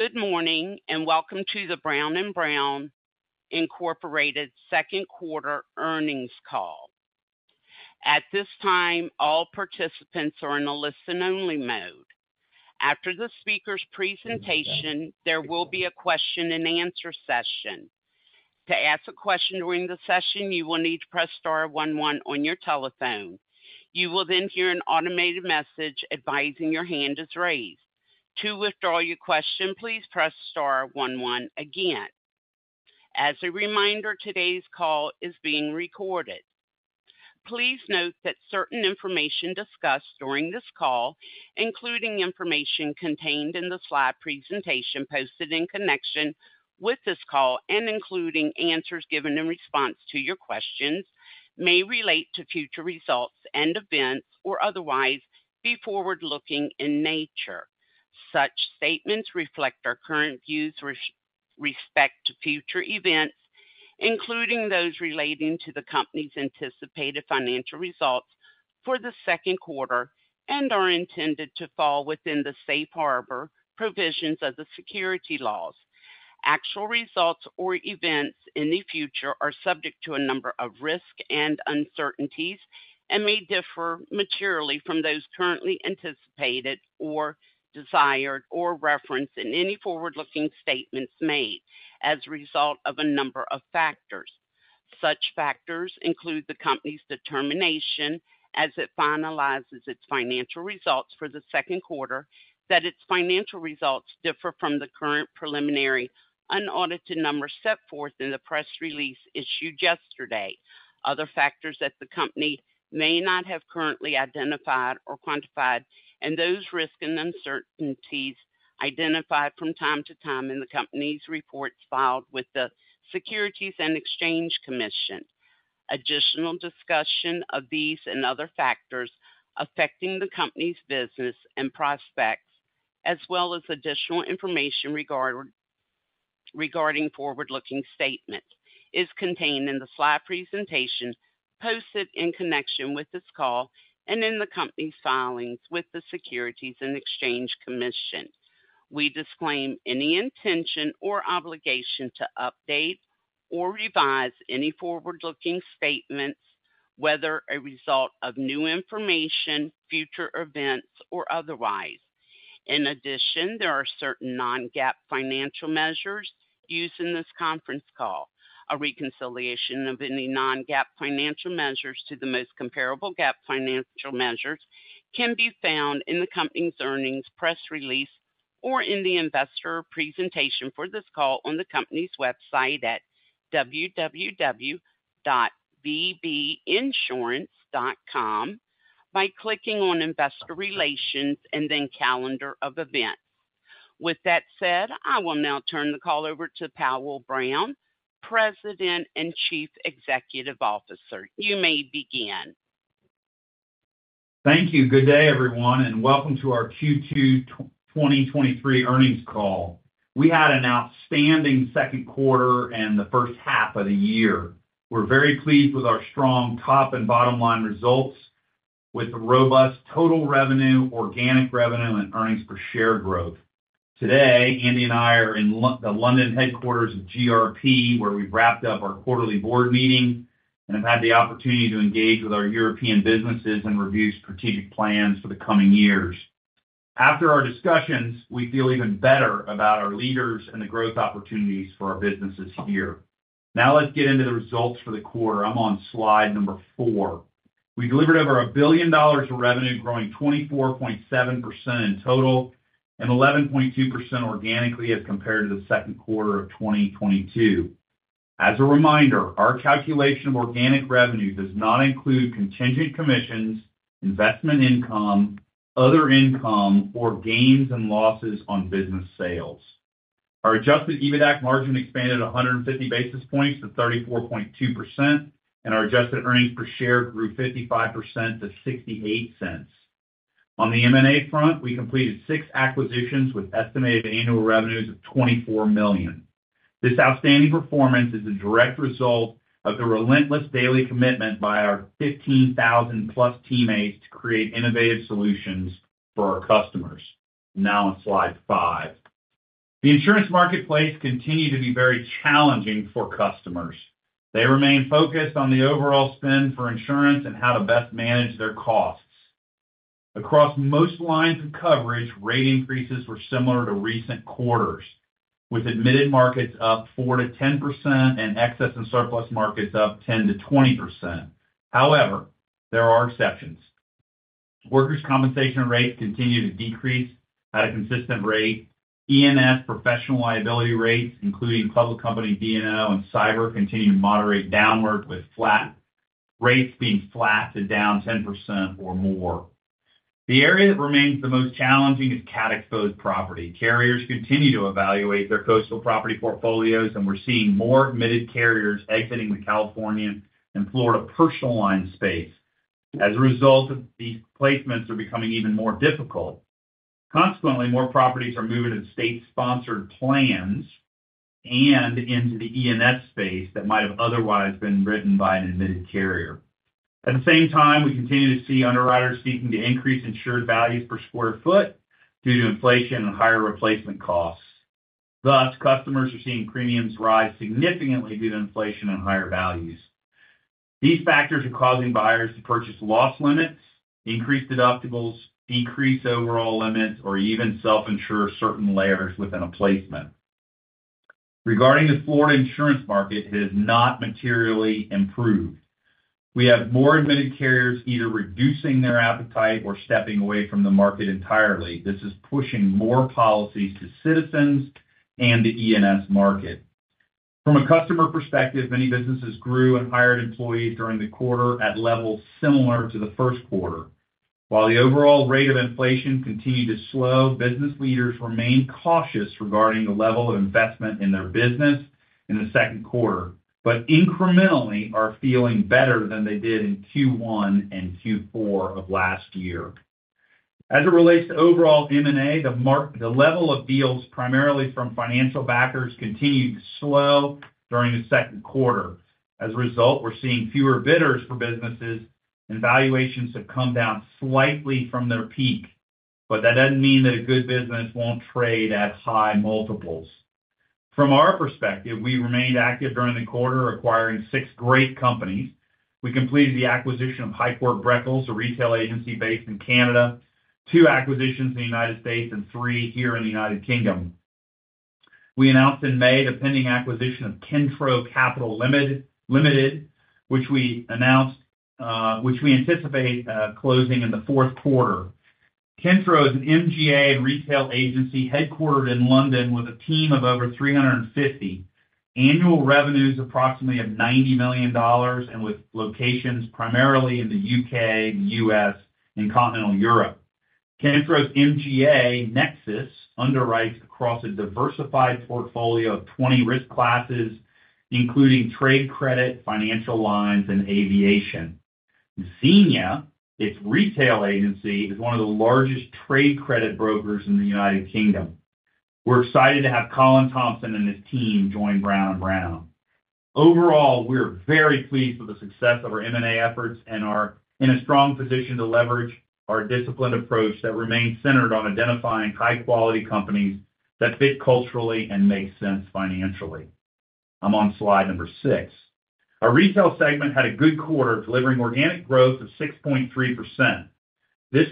Good morning. Welcome to the Brown & Brown, Inc. Q2 earnings call. At this time, all participants are in a listen-only mode. After the speaker's presentation, there will be a question-and-answer session. To ask a question during the session, you will need to press star 11 on your telephone. You will then hear an automated message advising your hand is raised. To withdraw your question, please press star 11 again. As a reminder, today's call is being recorded. Please note that certain information discussed during this call, including information contained in the slide presentation posted in connection with this call and including answers given in response to your questions, may relate to future results and events or otherwise be forward-looking in nature. Such statements reflect our current views with respect to future events, including those relating to the company's anticipated financial results for the Q2, and are intended to fall within the safe harbor provisions of the securities laws. Actual results or events in the future are subject to a number of risks and uncertainties and may differ materially from those currently anticipated or desired or referenced in any forward-looking statements made as a result of a number of factors. Such factors include the company's determination as it finalizes its financial results for the Q2, that its financial results differ from the current preliminary, unaudited numbers set forth in the press release issued yesterday. Other factors that the company may not have currently identified or quantified, and those risks and uncertainties identified from time to time in the company's reports filed with the Securities and Exchange Commission. Additional discussion of these and other factors affecting the company's business and prospects, as well as additional information regarding forward-looking statements, is contained in the slide presentation posted in connection with this call and in the company's filings with the Securities and Exchange Commission. We disclaim any intention or obligation to update or revise any forward-looking statements, whether a result of new information, future events, or otherwise. In addition, there are certain non-GAAP financial measures used in this conference call. A reconciliation of any non-GAAP financial measures to the most comparable GAAP financial measures can be found in the company's earnings press release or in the investor presentation for this call on the company's website at www.bbinsurance.com by clicking on Investor Relations and then Calendar of Events. With that said, I will now turn the call over to Powell Brown, President and Chief Executive Officer. You may begin. Thank you. Good day, everyone, welcome to our Q2 2023 earnings call. We had an outstanding Q2 and the first half of the year. We're very pleased with our strong top and bottom line results with robust total revenue, organic revenue, and earnings per share growth. Today, Andy and I are in the London headquarters of GRP, where we've wrapped up our quarterly board meeting and have had the opportunity to engage with our European businesses and review strategic plans for the coming years. After our discussions, we feel even better about our leaders and the growth opportunities for our businesses here. Now let's get into the results for the quarter. I'm on slide number four. We delivered over $1 billion of revenue, growing 24.7% in total and 11.2% organically as compared to the Q2 of 2022. As a reminder, our calculation of organic revenue does not include contingent commissions, investment income, other income, or gains and losses on business sales. Our adjusted EBITAC margin expanded 150 basis points to 34.2%, and our adjusted earnings per share grew 55% to $0.68. On the M&A front, we completed six acquisitions with estimated annual revenues of $24 million. This outstanding performance is a direct result of the relentless daily commitment by our 15,000-plus teammates to create innovative solutions for our customers. Now on slide five. The insurance marketplace continued to be very challenging for customers. They remain focused on the overall spend for insurance and how to best manage their costs. Across most lines of coverage, rate increases were similar to recent quarters, with admitted markets up 4%-10% and excess and surplus markets up 10%-20%. However, there are exceptions. Workers' compensation rates continue to decrease at a consistent rate. E&S professional liability rates, including public company D&O and cyber, continue to moderate downward, with flat rates being flat to down 10% or more. The area that remains the most challenging is cat-exposed property. Carriers continue to evaluate their coastal property portfolios, and we're seeing more admitted carriers exiting the California and Florida personal lines space. As a result, these placements are becoming even more difficult. Consequently, more properties are moving to state-sponsored plans, and into the E&S space that might have otherwise been written by an admitted carrier. At the same time, we continue to see underwriters seeking to increase insured values per square foot due to inflation and higher replacement costs. Thus, customers are seeing premiums rise significantly due to inflation and higher values. These factors are causing buyers to purchase loss limits, increase deductibles, decrease overall limits, or even self-insure certain layers within a placement. Regarding the Florida insurance market, it has not materially improved. We have more admitted carriers either reducing their appetite or stepping away from the market entirely. This is pushing more policies to citizens and the E&S market. From a customer perspective, many businesses grew and hired employees during the quarter at levels similar to the Q1. While the overall rate of inflation continued to slow, business leaders remained cautious regarding the level of investment in their business in the Q2, but incrementally are feeling better than they did in Q1 and Q4 of last year. As it relates to overall M&A, the level of deals, primarily from financial backers, continued to slow during the Q2. As a result, we're seeing fewer bidders for businesses, and valuations have come down slightly from their peak, but that doesn't mean that a good business won't trade at high multiples. From our perspective, we remained active during the quarter, acquiring 6 great companies. We completed the acquisition of Highcourt Breckles, a retail agency based in Canada, 2 acquisitions in the United States, and 3 here in the United Kingdom. We announced in May the pending acquisition of Kentro Capital Limited, which we anticipate closing in the Q4. Kentro is an MGA and retail agency headquartered in London, with a team of over 350. Annual revenue is approximately $90 million and with locations primarily in the U.K., the U.S., and continental Europe. Kentro's MGA, Nexus, underwrites across a diversified portfolio of 20 risk classes, including trade credit, financial lines, and aviation. Xenia, its retail agency, is one of the largest trade credit brokers in the United Kingdom. We're excited to have Colin Thompson and his team join Brown & Brown. Overall, we're very pleased with the success of our M&A efforts and are in a strong position to leverage our disciplined approach that remains centered on identifying high-quality companies that fit culturally and make sense financially. I'm on slide number six. Our retail segment had a good quarter, delivering organic growth of 6.3%.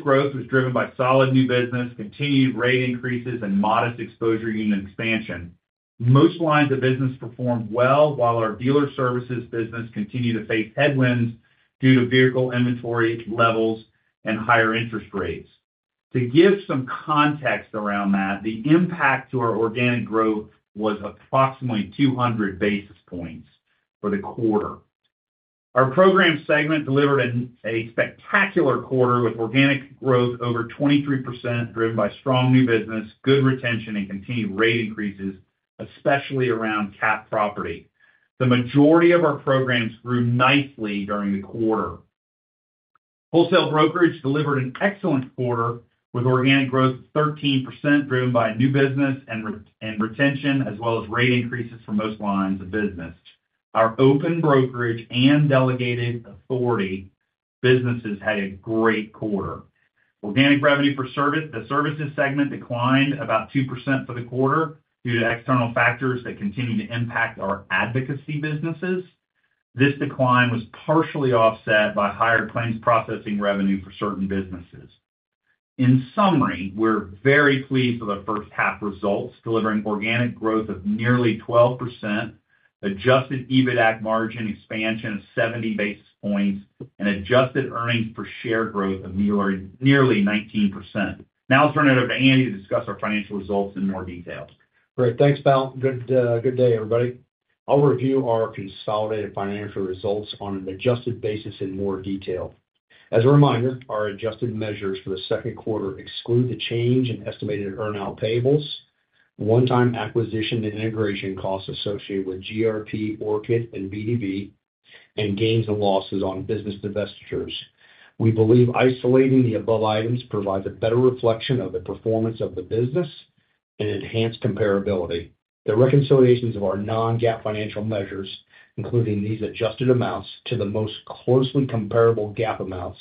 Growth was driven by solid new business, continued rate increases, and modest exposure unit expansion. Most lines of business performed well, while our dealer services business continued to face headwinds due to vehicle inventory levels and higher interest rates. To give some context around that, the impact to our organic growth was approximately 200 basis points for the quarter. Our program segment delivered a spectacular quarter, with organic growth over 23%, driven by strong new business, good retention, and continued rate increases, especially around cat property. The majority of our programs grew nicely during the quarter. Wholesale brokerage delivered an excellent quarter, with organic growth of 13%, driven by new business and retention, as well as rate increases for most lines of business. Our open brokerage and delegated authority businesses had a great quarter. Organic revenue for the services segment declined about 2% for the quarter due to external factors that continue to impact our advocacy businesses. This decline was partially offset by higher claims processing revenue for certain businesses. In summary, we're very pleased with our first half results, delivering organic growth of nearly 12%, adjusted EBITDA margin expansion of 70 basis points, and adjusted earnings per share growth of nearly 19%. I'll turn it over to Andy to discuss our financial results in more detail. Great. Thanks, Pal. Good day, everybody. I'll review our consolidated financial results on an adjusted basis in more detail. As a reminder, our adjusted measures for the Q2 exclude the change in estimated earn-out payables, one-time acquisition and integration costs associated with GRP, Orchid, and BdB, and gains and losses on business divestitures. We believe isolating the above items provides a better reflection of the performance of the business and enhanced comparability. The reconciliations of our non-GAAP financial measures, including these adjusted amounts to the most closely comparable GAAP amounts,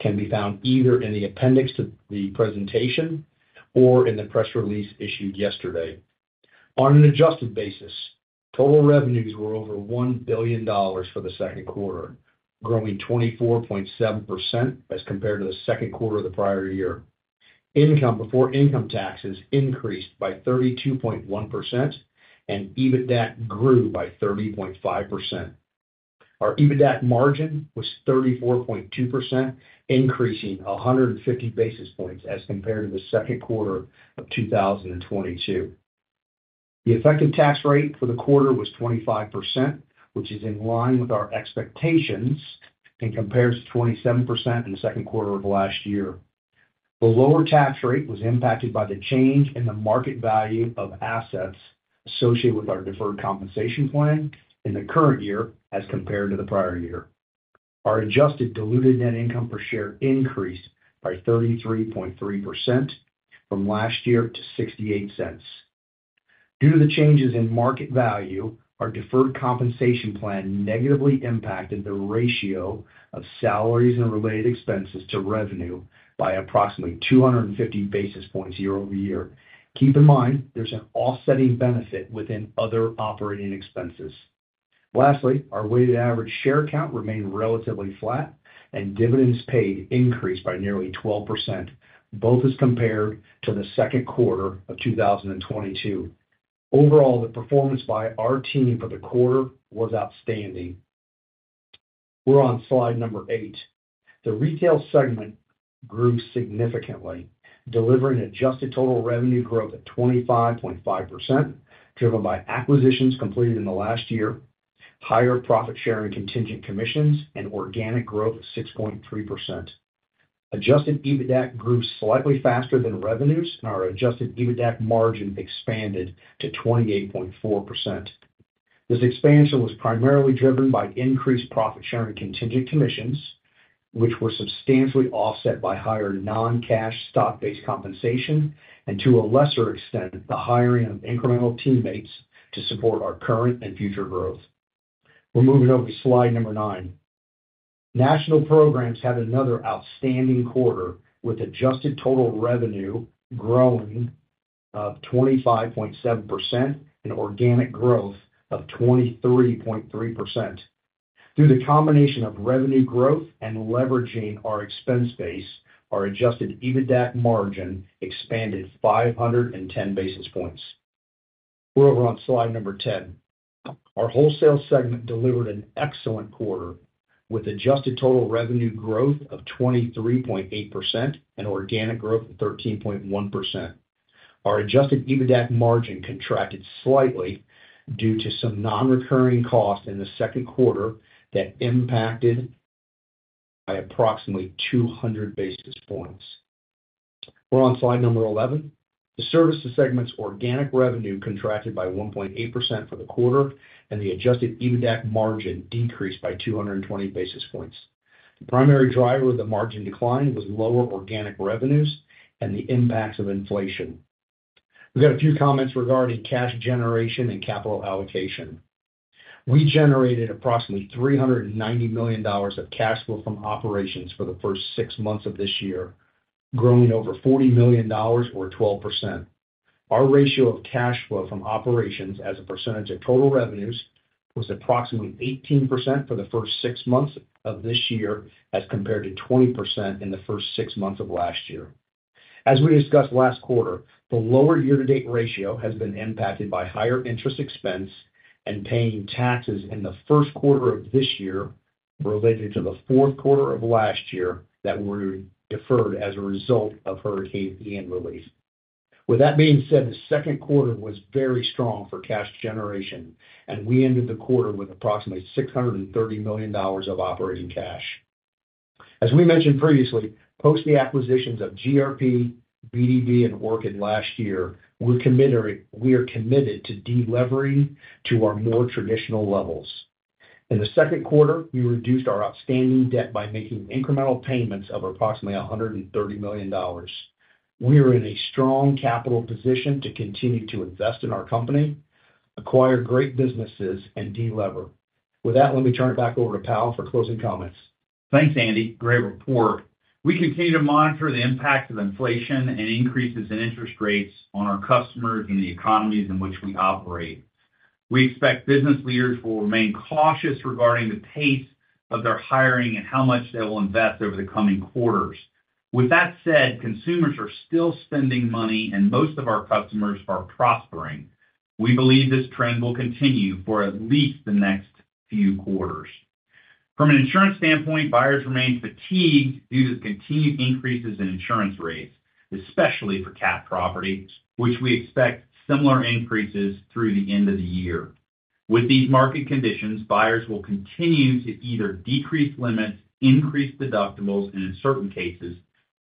can be found either in the appendix to the presentation or in the press release issued yesterday. On an adjusted basis, total revenues were over $1 billion for the Q2, growing 24.7% as compared to the Q2 of the prior year. Income before income taxes increased by 32.1%, and EBITDA grew by 30.5%. Our EBITDA margin was 34.2%, increasing 150 basis points as compared to the Q2 of 2022. The effective tax rate for the quarter was 25%, which is in line with our expectations and compares to 27% in the Q2 of last year. The lower tax rate was impacted by the change in the market value of assets associated with our deferred compensation plan in the current year as compared to the prior year. Our adjusted diluted net income per share increased by 33.3% from last year to $0.68. Due to the changes in market value, our deferred compensation plan negatively impacted the ratio of salaries and related expenses to revenue by approximately 250 basis points year-over-year. Keep in mind, there's an offsetting benefit within other operating expenses. Lastly, our weighted average share count remained relatively flat, and dividends paid increased by nearly 12%, both as compared to the Q2 of 2022. Overall, the performance by our team for the quarter was outstanding. We're on slide number 8. The retail segment grew significantly, delivering adjusted total revenue growth of 25.5%, driven by acquisitions completed in the last year, higher profit sharing, contingent commissions, and organic growth of 6.3%. Adjusted EBITDA grew slightly faster than revenues, and our adjusted EBITDA margin expanded to 28.4%. This expansion was primarily driven by increased profit sharing contingent commissions, which were substantially offset by higher non-cash stock-based compensation, and, to a lesser extent, the hiring of incremental teammates to support our current and future growth. We're moving over to slide number 9. National Programs had another outstanding quarter, with adjusted total revenue growing of 25.7% and organic growth of 23.3%. Through the combination of revenue growth and leveraging our expense base, our adjusted EBITDA margin expanded 510 basis points. We're over on slide number 10. Our wholesale segment delivered an excellent quarter, with adjusted total revenue growth of 23.8% and organic growth of 13.1%. Our adjusted EBITDA margin contracted slightly due to some non-recurring costs in the Q2 that impacted by approximately 200 basis points. We're on slide number 11. The services segment's organic revenue contracted by 1.8% for the quarter, and the adjusted EBITDA margin decreased by 220 basis points. The primary driver of the margin decline was lower organic revenues and the impacts of inflation. We've got a few comments regarding cash generation and capital allocation. We generated approximately $390 million of cash flow from operations for the first six months of this year, growing over $40 million or 12%. Our ratio of cash flow from operations as a percentage of total revenues was approximately 18% for the first six months of this year, as compared to 20% in the first six months of last year. We discussed last quarter, the lower year-to-date ratio has been impacted by higher interest expense and paying taxes in the Q1 of this year related to the Q4 of last year that were deferred as a result of Hurricane Ian. That being said, the Q2 was very strong for cash generation, and we ended the quarter with approximately $630 million of operating cash. We mentioned previously, post the acquisitions of GRP, BdB, and Orchid last year, we are committed to delevering to our more traditional levels. In the Q2, we reduced our outstanding debt by making incremental payments of approximately $130 million. We are in a strong capital position to continue to invest in our company, acquire great businesses, and delever. With that, let me turn it back over to Pal for closing comments. Thanks, Andy. Great report. We continue to monitor the impact of inflation and increases in interest rates on our customers and the economies in which we operate. We expect business leaders will remain cautious regarding the pace of their hiring and how much they will invest over the coming quarters. With that said, consumers are still spending money, and most of our customers are prospering. We believe this trend will continue for at least the next few quarters. From an insurance standpoint, buyers remain fatigued due to the continued increases in insurance rates, especially for cat property, which we expect similar increases through the end of the year. With these market conditions, buyers will continue to either decrease limits, increase deductibles, and in certain cases,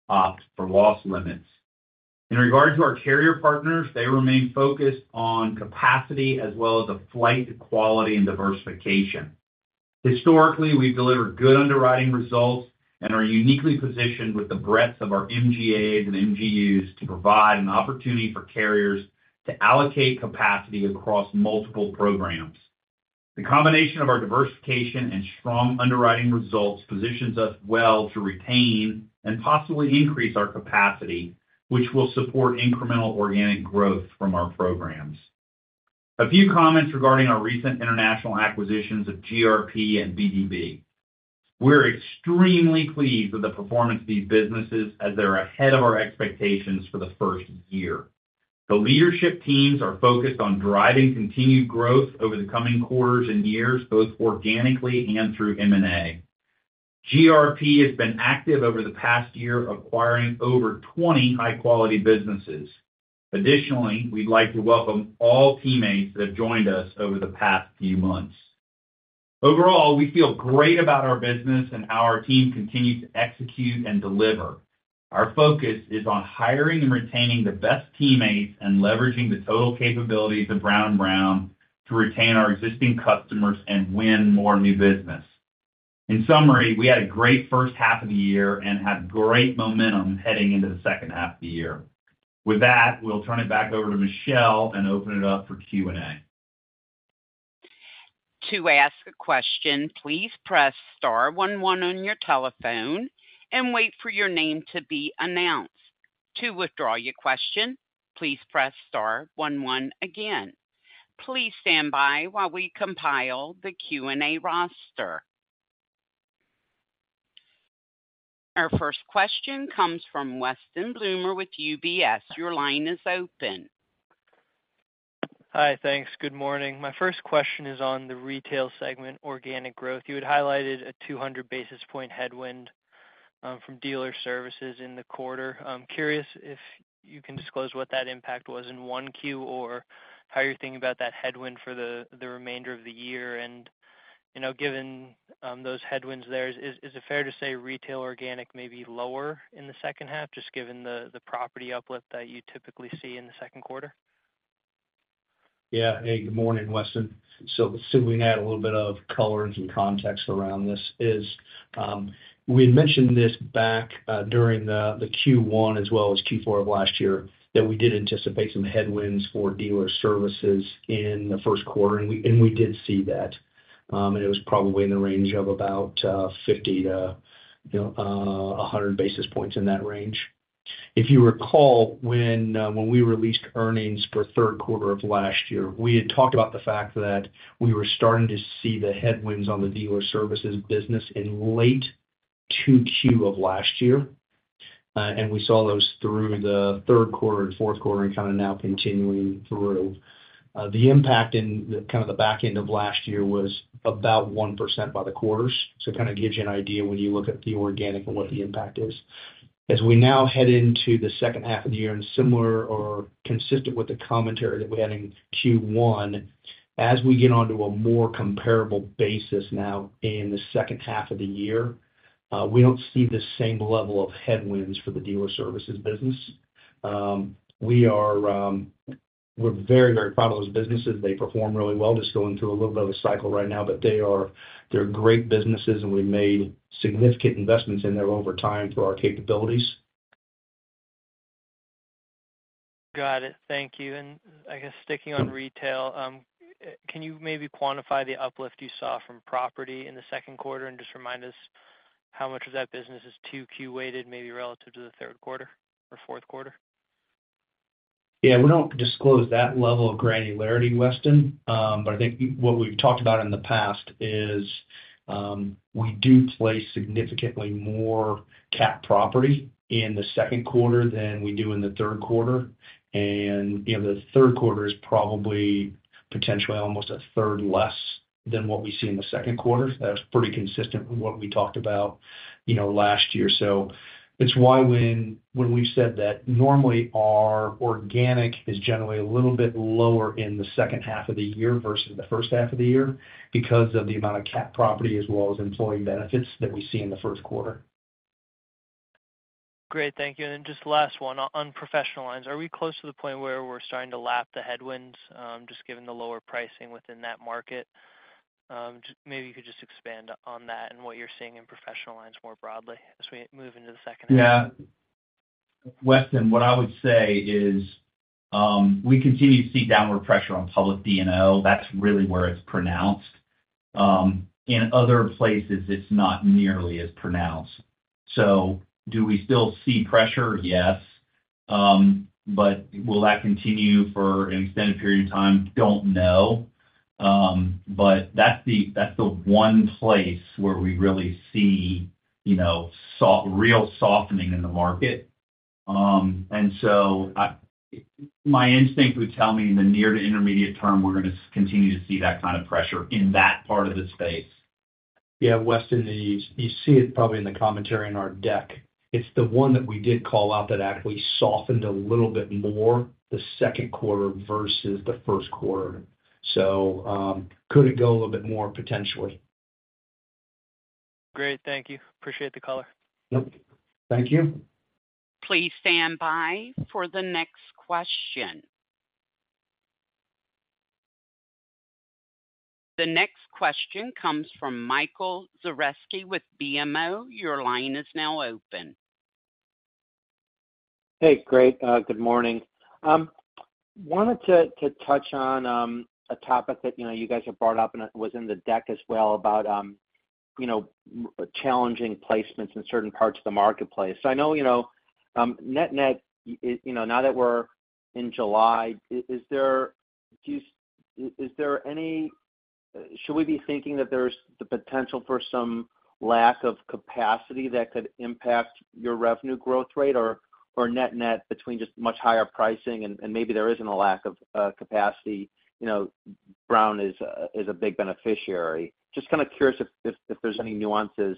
opt for loss limits. In regard to our carrier partners, they remain focused on capacity as well as the flight quality and diversification. Historically, we've delivered good underwriting results and are uniquely positioned with the breadth of our MGAs and MGUs to provide an opportunity for carriers to allocate capacity across multiple programs. The combination of our diversification and strong underwriting results positions us well to retain and possibly increase our capacity, which will support incremental organic growth from our programs. A few comments regarding our recent international acquisitions of GRP and BdB. We're extremely pleased with the performance of these businesses as they're ahead of our expectations for the first year. The leadership teams are focused on driving continued growth over the coming quarters and years, both organically and through M&A. GRP has been active over the past year, acquiring over 20 high-quality businesses. We'd like to welcome all teammates that have joined us over the past few months. Overall, we feel great about our business and how our team continues to execute and deliver. Our focus is on hiring and retaining the best teammates and leveraging the total capabilities of Brown & Brown to retain our existing customers and win more new business. In summary, we had a great first half of the year and had great momentum heading into the second half of the year. With that, we'll turn it back over to Michelle and open it up for Q&A. To ask a question, please press star one one on your telephone and wait for your name to be announced. To withdraw your question, please press star one one again. Please stand by while we compile the Q&A roster. Our first question comes from Weston Bloomer with UBS. Your line is open. Hi. Thanks. Good morning. My first question is on the retail segment, organic growth. You had highlighted a 200 basis point headwind from dealer services in the quarter. I'm curious if you can disclose what that impact was in 1Q, or how you're thinking about that headwind for the remainder of the year? You know, given those headwinds there, is it fair to say retail organic may be lower in the second half, just given the property uplift that you typically see in the Q2? Yeah. Hey, good morning, Weston. Simply add a little bit of call and some context around this is, we had mentioned this back during the Q1 as well as Q4 of last year, that we did anticipate some headwinds for dealer services in the Q1, and we did see that. It was probably in the range of about 50 to 100 basis points in that range. If you recall, when we released earnings for Q3 of last year, we had talked about the fact that we were starting to see the headwinds on the dealer services business in late two Q of last year. We saw those through the Q3 and Q4 and kind of now continuing through. The impact in the kind of the back end of last year was about 1% by the quarters. It kind of gives you an idea when you look at the organic and what the impact is. As we now head into the second half of the year and similar or consistent with the commentary that we had in Q1, as we get onto a more comparable basis now in the second half of the year, we don't see the same level of headwinds for the dealer services business. We're very, very proud of those businesses. They perform really well, just going through a little bit of a cycle right now, but they're great businesses, and we've made significant investments in there over time through our capabilities. Got it. Thank you. I guess sticking on retail, can you maybe quantify the uplift you saw from property in the Q2? Just remind us how much of that business is 2Q weighted, maybe relative to the Q3 or Q4? We don't disclose that level of granularity, Weston. I think what we've talked about in the past is, we do place significantly more cat property in the Q2 than we do in the Q3. You know, the Q3 is probably potentially almost a third less than what we see in the Q2. That's pretty consistent with what we talked about, you know, last year. It's why when we've said that normally our organic is generally a little bit lower in the second half of the year versus the first half of the year, because of the amount of cat property as well as employee benefits that we see in the Q1. Great. Thank you. Then just last one, on professional lines, are we close to the point where we're starting to lap the headwinds, just given the lower pricing within that market? Just maybe you could just expand on that and what you're seeing in professional lines more broadly as we move into the second half? Yeah. Weston, what I would say is, we continue to see downward pressure on public D&O. That's really where it's pronounced. In other places, it's not nearly as pronounced. Do we still see pressure? Yes. Will that continue for an extended period of time? Don't know. That's the, that's the one place where we really see, you know, soft, real softening in the market. My instinct would tell me in the near to intermediate term, we're going to continue to see that kind of pressure in that part of the space. Yeah, Weston, you see it probably in the commentary on our deck. It's the one that we did call out that actually softened a little bit more the Q2 versus the Q1. Could it go a little bit more? Potentially. Great. Thank you. Appreciate the call. Yep. Thank you. Please stand by for the next question. The next question comes from Michael Zaremski with BMO. Your line is now open. Hey, great. Good morning. Wanted to touch on a topic that, you know, you guys have brought up, and it was in the deck as well, about, you know, challenging placements in certain parts of the marketplace. I know, you know, net-net, you know, now that we're in July, is there any should we be thinking that there's the potential for some lack of capacity that could impact your revenue growth rate or net-net between just much higher pricing and maybe there isn't a lack of capacity? You know, Brown is a big beneficiary. Just kind of curious if there's any nuances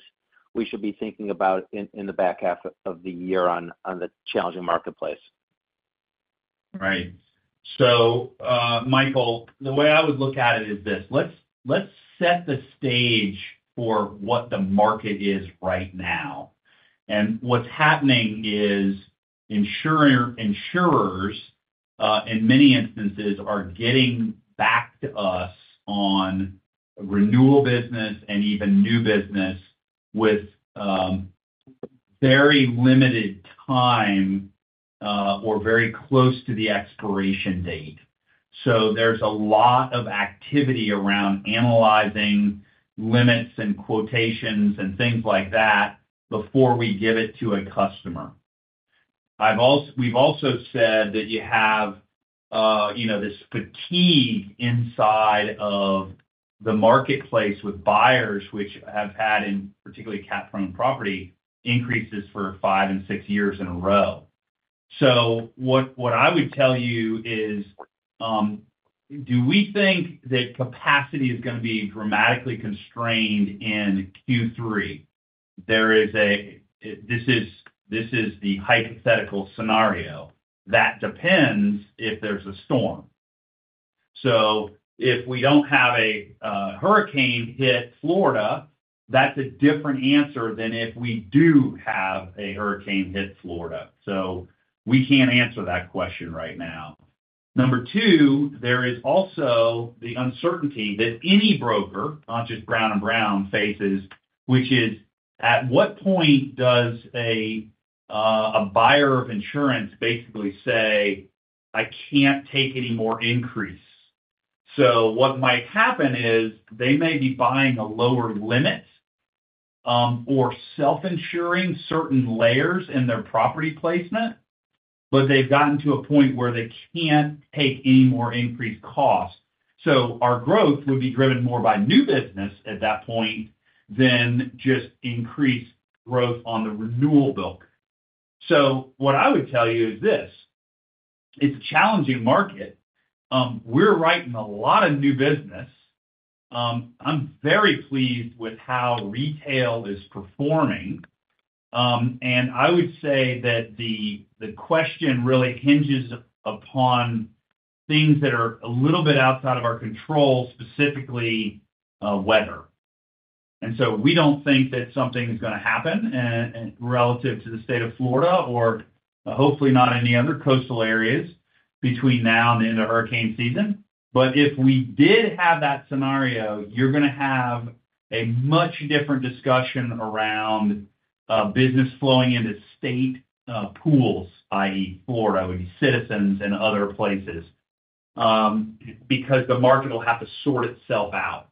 we should be thinking about in the back half of the year on the challenging marketplace. Right. Michael, the way I would look at it is this, let's set the stage for what the market is right now. What's happening is insurers in many instances are getting back to us on renewal business and even new business with very limited time or very close to the expiration date. There's a lot of activity around analyzing limits and quotations and things like that before we give it to a customer. We've also said that you have, you know, this fatigue inside of the marketplace with buyers, which have had, in particularly cat-prone property, increases for five and six years in a row. What I would tell you is, do we think that capacity is gonna be dramatically constrained in Q3? There is the hypothetical scenario: that depends if there's a storm. If we don't have a hurricane hit Florida, that's a different answer than if we do have a hurricane hit Florida. We can't answer that question right now. Number two, there is also the uncertainty that any broker, not just Brown & Brown, faces, which is, at what point does a buyer of insurance basically say, "I can't take any more increase"? What might happen is they may be buying a lower limit, or self-insuring certain layers in their property placement, but they've gotten to a point where they can't take any more increased costs. Our growth would be driven more by new business at that point than just increased growth on the renewal book. What I would tell you is this: it's a challenging market. We're writing a lot of new business. I'm very pleased with how retail is performing. I would say that the question really hinges upon things that are a little bit outside of our control, specifically, weather. We don't think that something is gonna happen relative to the state of Florida, or hopefully not any other coastal areas between now and the end of hurricane season. If we did have that scenario, you're gonna have a much different discussion around business flowing into state pools, i.e., Florida, with citizens and other places, because the market will have to sort itself out.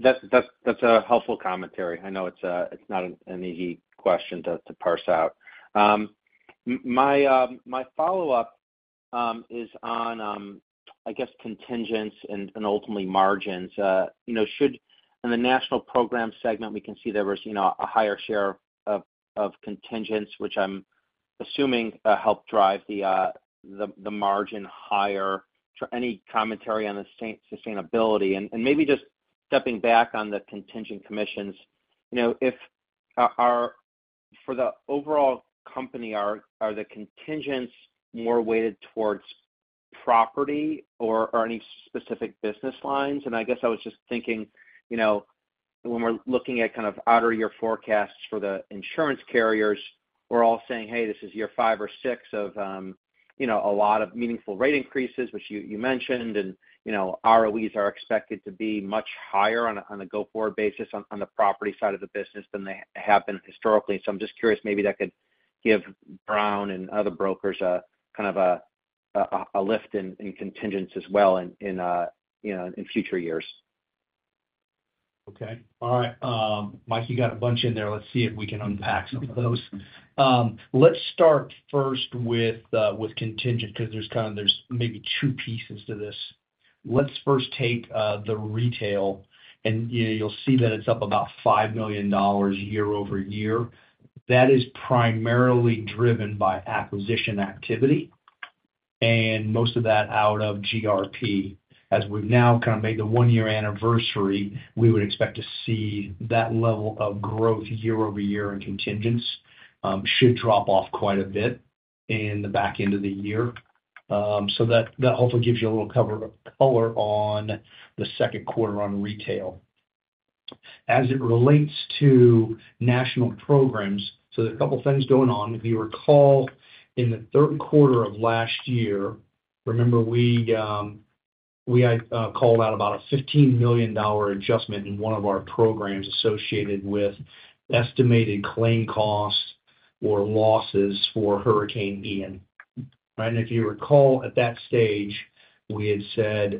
That's a helpful commentary. I know it's not an easy question to parse out. My follow-up is on, I guess, contingents and ultimately margins. You know, in the national program segment, we can see there was, you know, a higher share of contingents, which I'm assuming helped drive the margin higher. Any commentary on the sustainability? Maybe just stepping back on the contingent commissions, you know, for the overall company, are the contingents more weighted towards property or any specific business lines? I guess I was just thinking, you know, when we're looking at kind of outer year forecasts for the insurance carriers, we're all saying, hey, this is year five or six of, you know, a lot of meaningful rate increases, which you mentioned, and, you know, ROEs are expected to be much higher on a go-forward basis on the property side of the business than they have been historically. I'm just curious, maybe that could give Brown and other brokers a kind of a lift in contingents as well in future years. Okay. All right. Mike, you got a bunch in there. Let's see if we can unpack some of those. Let's start first with contingent, because there's kind of there's maybe two pieces to this. Let's first take, the retail, and, you know, you'll see that it's up about $5 million year-over-year. That is primarily driven by acquisition activity, and most of that out of GRP. As we've now kind of made the one-year anniversary, we would expect to see that level of growth year-over-year in contingents should drop off quite a bit in the back end of the year. So that also gives you a little call on the Q2 on retail. As it relates to national programs, there are a couple of things going on. If you recall, in the Q3 of last year, remember we called out about a $15 million adjustment in one of our programs associated with estimated claim costs or losses for Hurricane Ian, right? If you recall, at that stage, we had said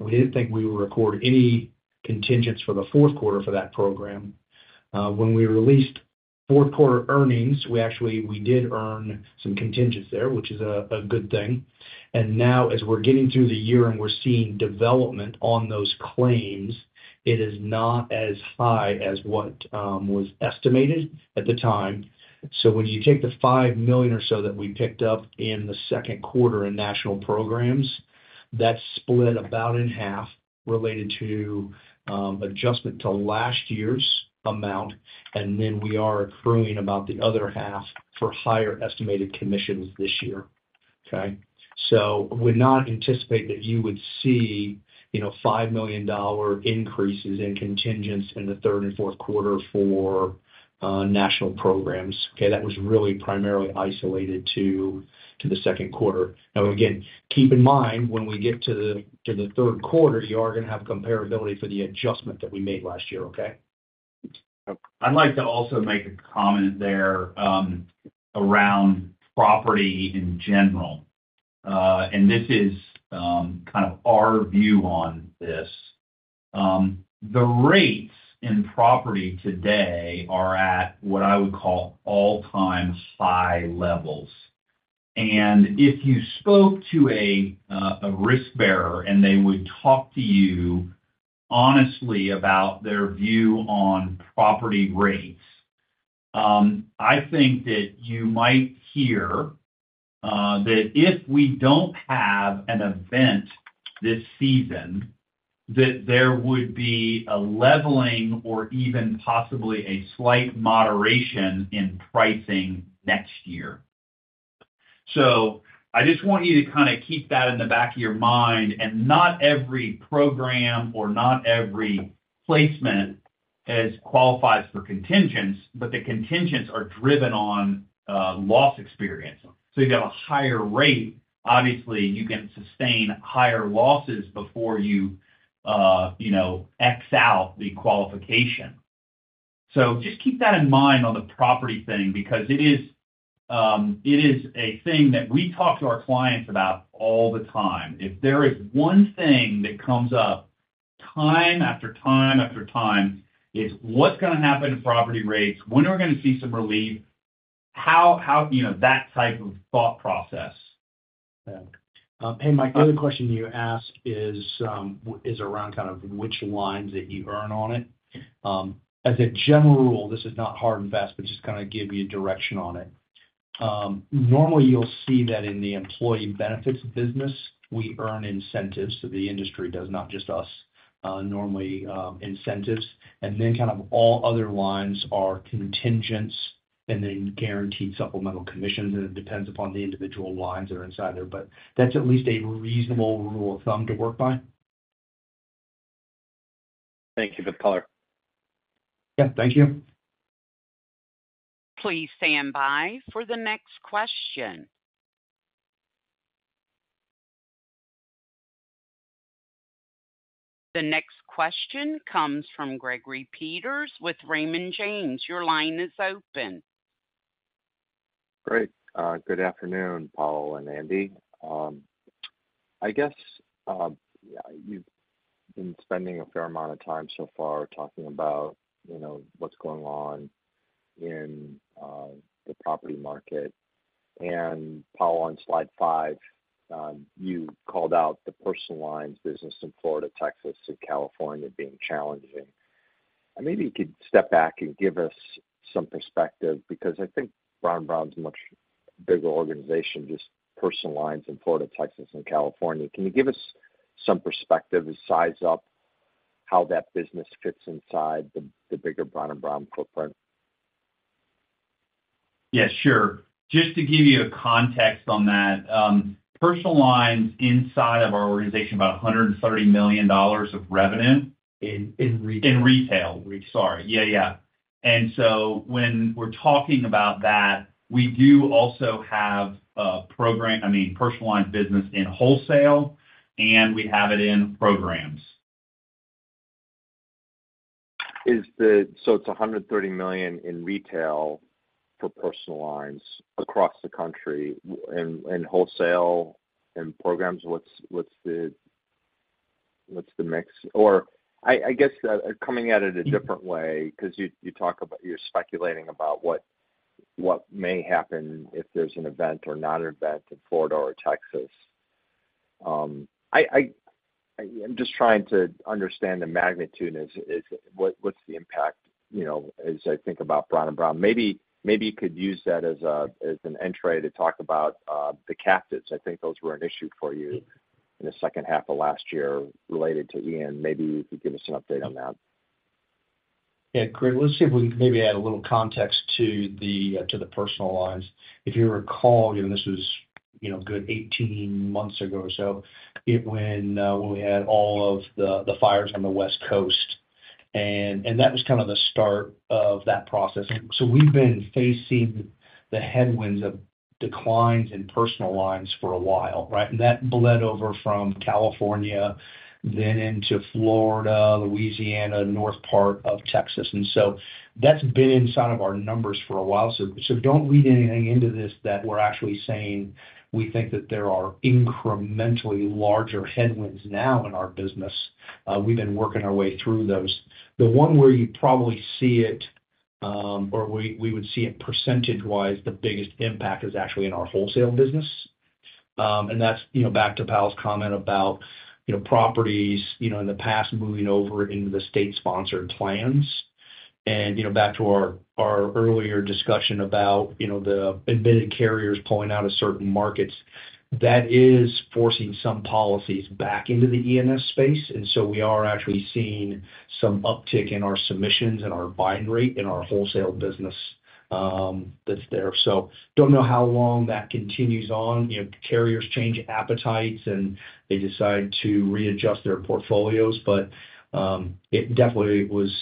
we didn't think we would record any contingents for the Q4 for that program. When we released Q4 earnings, we actually, we did earn some contingents there, which is a good thing. Now, as we're getting through the year and we're seeing development on those claims, it is not as high as what was estimated at the time. When you take the $5 million or so that we picked up in the 2Q in national programs, that's split about in half related to adjustment to last year's amount, and then we are accruing about the other half for higher estimated commissions this year.... Okay? Would not anticipate that you would see, you know, $5 million increases in contingents in the third and Q4 for national programs, okay? That was really primarily isolated to the Q2. Again, keep in mind, when we get to the Q3, you are going to have comparability for the adjustment that we made last year, okay? I'd like to also make a comment there, around property in general. This is kind of our view on this. The rates in property today are at what I would call all-time high levels. If you spoke to a risk bearer, and they would talk to you honestly about their view on property rates, I think that you might hear that if we don't have an event this season, that there would be a leveling or even possibly a slight moderation in pricing next year. I just want you to kind of keep that in the back of your mind, and not every program or not every placement has qualifies for contingents, but the contingents are driven on loss experience. You've got a higher rate, obviously, you can sustain higher losses before you know, X out the qualification. Just keep that in mind on the property thing, because it is a thing that we talk to our clients about all the time. If there is one thing that comes up time after time after time, it's what's going to happen to property rates? When are we going to see some relief? How? You know, that type of thought process. Yeah. Hey, Mike, the other question you ask is around kind of which lines that you earn on it? As a general rule, this is not hard and fast, but just kind of give you direction on it. Normally, you'll see that in the employee benefits business, we earn incentives, so the industry does, not just us, normally, incentives, and then kind of all other lines are contingents and then guaranteed supplemental commissions, and it depends upon the individual lines that are inside there. That's at least a reasonable rule of thumb to work by. Thank you for the call. Yeah, thank you. Please stand by for the next question. The next question comes from Gregory Peters with Raymond James. Your line is open. Great. Good afternoon, Paul and Andy. I guess, you've been spending a fair amount of time so far talking about, you know, what's going on in the property market. Paul, on slide five, you called out the personal lines business in Florida, Texas, and California being challenging. Maybe you could step back and give us some perspective, because I think Brown & Brown's a much bigger organization, just personal lines in Florida, Texas, and California. Can you give us some perspective to size up how that business fits inside the bigger Brown & Brown footprint? Yeah, sure. Just to give you a context on that, personal lines inside of our organization, about $130 million of revenue. In retail? In retail, sorry. Yeah, yeah. When we're talking about that, we do also have a program, I mean, personal line business in wholesale, and we have it in programs. It's $130 million in retail for personal lines across the country. Wholesale and programs, what's the mix? I guess, coming at it a different way, because you talk about you're speculating about what may happen if there's an event or not an event in Florida or Texas. I'm just trying to understand the magnitude is what's the impact, you know, as I think about Brown & Brown? Maybe you could use that as an entree to talk about the captives. I think those were an issue for you in the second half of last year related to Ian. Maybe you could give us an update on that. Yeah, great. Let's see if we can maybe add a little context to the personal lines. If you recall, you know, this was, you know, a good 18 months ago or so, it when we had all of the fires on the West Coast, and that was kind of the start of that process. We've been facing the headwinds of declines in personal lines for a while, right? That bled over from California, then into Florida, Louisiana, north part of Texas, and so that's been inside of our numbers for a while. Don't read anything into this that we're actually saying we think that there are incrementally larger headwinds now in our business. We've been working our way through those. The one where you'd probably see it, or we would see it percentage-wise, the biggest impact is actually in our wholesale business. That's, you know, back to Pal's comment about, you know, properties, you know, in the past moving over into the state-sponsored plans. You know, back to our earlier discussion about, you know, the admitted carriers pulling out of certain markets, that is forcing some policies back into the E&S space, we are actually seeing some uptick in our submissions and our bind rate in our wholesale business. That's there. Don't know how long that continues on. You know, carriers change appetites, they decide to readjust their portfolios, it definitely was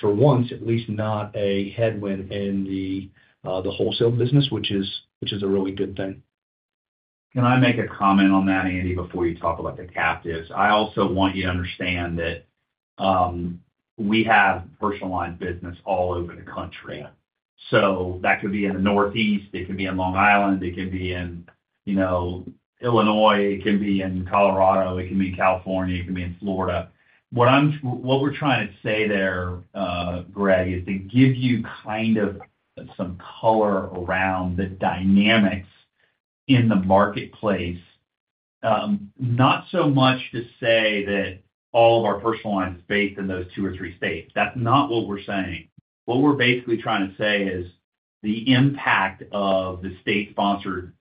for once, at least not a headwind in the wholesale business, which is a really good thing. Can I make a comment on that, Andy, before you talk about the captives? I also want you to understand that, we have personal line business all over the country. That could be in the Northeast, it could be in Long Island, it could be in, you know, Illinois, it can be in Colorado, it can be in California, it can be in Florida. What we're trying to say there, Greg, is to give you kind of some call around the dynamics in the marketplace. Not so much to say that all of our personal line is based in those two or three states. That's not what we're saying. What we're basically trying to say is the impact of the state-sponsored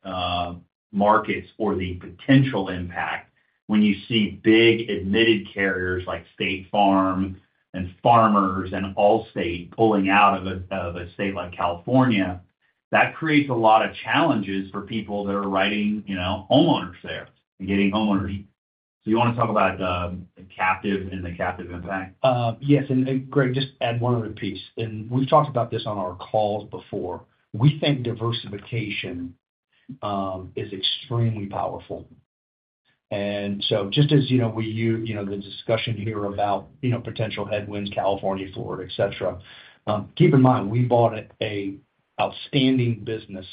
markets or the potential impact when you see big admitted carriers like State Farm and Farmers and Allstate pulling out of a, of a state like California, that creates a lot of challenges for people that are writing, you know, homeowners there and getting homeowners. Do you want to talk about the captive and the captive impact? Yes, and Greg, just add one other piece, and we've talked about this on our calls before. We think diversification is extremely powerful. Just as, you know, the discussion here about, you know, potential headwinds, California, Florida, et cetera. Keep in mind, we bought an outstanding business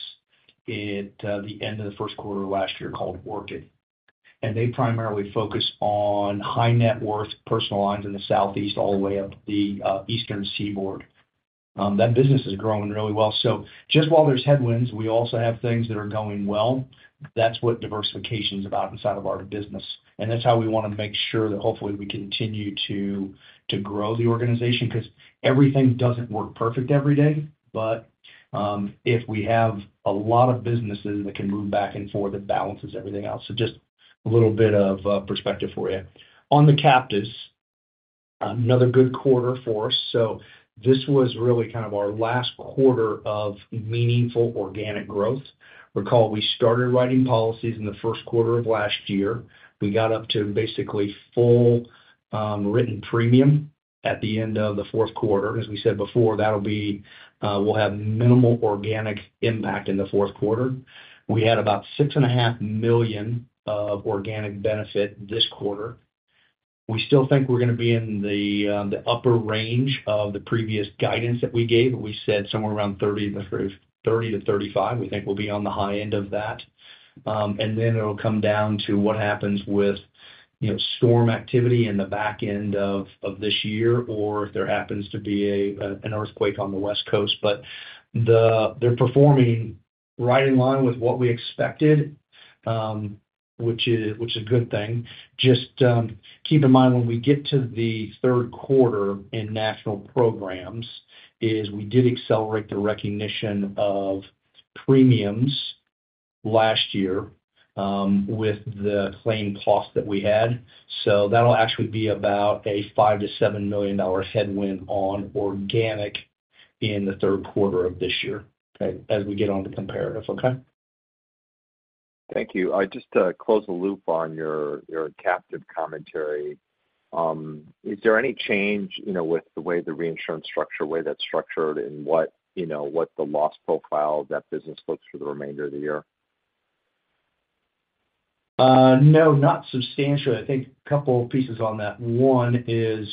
at the end of the Q1 of last year called Orchid, and they primarily focus on high net worth personal lines in the Southeast, all the way up the Eastern Seaboard. That business is growing really well. Just while there's headwinds, we also have things that are going well. That's what diversification is about inside of our business, and that's how we wanna make sure that hopefully, we continue to grow the organization, because everything doesn't work perfect every day. If we have a lot of businesses that can move back and forth, it balances everything out. Just a little bit of perspective for you. On the captives, another good quarter for us. This was really kind of our last quarter of meaningful organic growth. Recall, we started writing policies in the Q1 of last year. We got up to basically full written premium at the end of the Q4. As we said before, that'll be, we'll have minimal organic impact in the Q4. We had about $6.5 million of organic benefit this quarter. We still think we're gonna be in the upper range of the previous guidance that we gave, but we said somewhere around $30 million-$35 million, we think we'll be on the high end of that. It'll come down to what happens with, you know, storm activity in the back end of this year, or if there happens to be an earthquake on the West Coast. They're performing right in line with what we expected, which is a good thing. Just keep in mind, when we get to the Q3 in national programs, is we did accelerate the recognition of premiums last year, with the claim cost that we had. That'll actually be about a $5 million-$7 million headwind on organic in the Q3 of this year, okay, as we get on to comparatives. Okay? Thank you. Just to close the loop on your captive commentary, is there any change, you know, with the way the reinsurance structure, that's structured and what, you know, what the loss profile of that business looks for the remainder of the year? No, not substantially. I think a couple pieces on that. One is,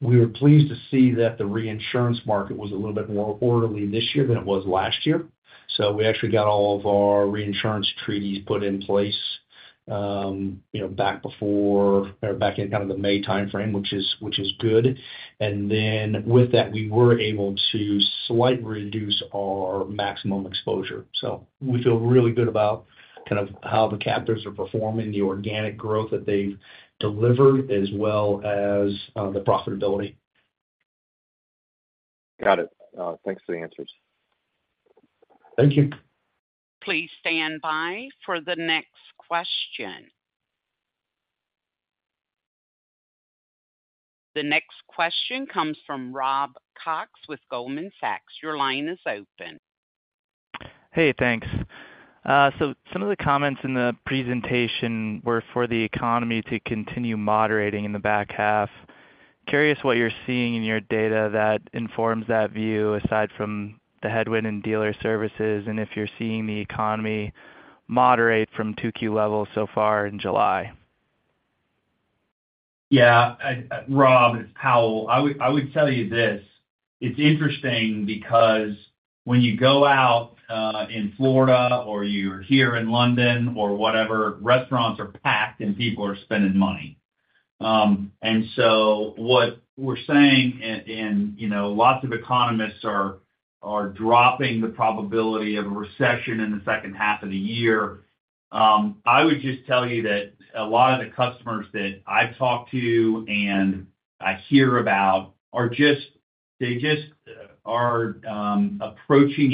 we were pleased to see that the reinsurance market was a little bit more orderly this year than it was last year. We actually got all of our reinsurance treaties put in place, you know, back in kind of the May timeframe, which is good. With that, we were able to slightly reduce our maximum exposure. We feel really good about kind of how the captives are performing, the organic growth that they've delivered, as well as the profitability. Got it. Thanks for the answers. Thank you. Please stand by for the next question. The next question comes from Rob Cox with Goldman Sachs. Your line is open. Hey, thanks. Some of the comments in the presentation were for the economy to continue moderating in the back half. Curious what you're seeing in your data that informs that view, aside from the headwind in dealer services, and if you're seeing the economy moderate from two key levels so far in July? Yeah, I, Rob, it's Powell. I would tell you this, it's interesting because when you go out in Florida or you're here in London or whatever, restaurants are packed and people are spending money. What we're saying and, you know, lots of economists are dropping the probability of a recession in the second half of the year. I would just tell you that a lot of the customers that I've talked to and I hear about they just are approaching